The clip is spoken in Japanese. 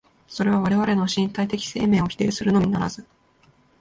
それは我々の身体的生命を否定するのみならず、